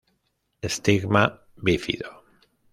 Estigma bífido.